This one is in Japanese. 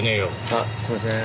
あっすいませーん。